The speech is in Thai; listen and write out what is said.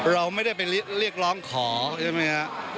เราไม่ได้ไปเรียกร้องขอใช่มั้ยฮะ